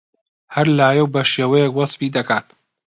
هەر لایەو بەشێوەیەک وەسفی دەکات